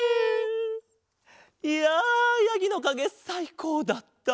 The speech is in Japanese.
いややぎのかげさいこうだった。